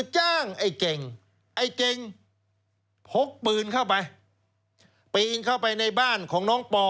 จ้างเลยหรือครับเดี๋ยว